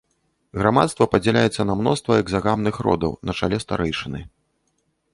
Грамадства падзяляецца на мноства экзагамных родаў на чале старэйшыны.